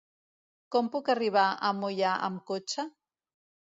Com puc arribar a Moià amb cotxe?